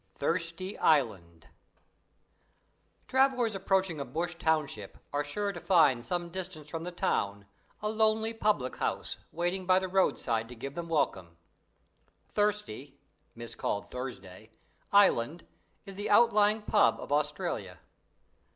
THIRSTY ISLAND Travellers approaching a bush township are sure to find some distance from the town a lonely public house waiting by the roadside to give them welcome. Thirsty (miscalled Thursday) Island is the outlying pub of Australia.